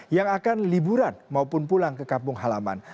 yang akan liburan maupun pulang ke kampung halaman